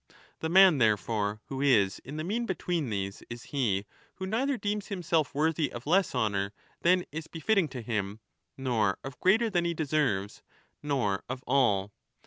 The man, therefore, who is in the mean between these is he who neither deems himself worthy of less honour than is befitting to him, nor of greater than he deserves, nor of all.